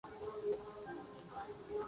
Y no están muy lejos de la verdad.